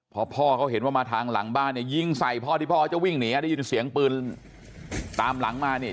พอพ่อเขาเห็นว่ามาทางหลังบ้านเนี่ยยิงใส่พ่อที่พ่อเขาจะวิ่งหนีได้ยินเสียงปืนตามหลังมานี่